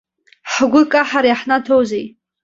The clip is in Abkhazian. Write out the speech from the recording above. Ҳгәы каҳар иаҳнаҭозеи?